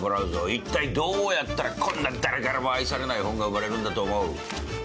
いったいどうやったらこんな誰からも愛されない本が生まれるんだと思う？